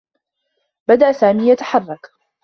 بدأ سامي يتحرّك.